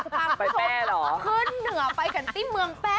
ถามแรกเพราะกลัวมาขึ้นเหนือไปกันที่เมืองแปะ